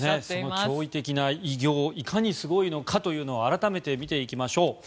その驚異的な偉業いかにすごいのかというのを改めて見ていきましょう。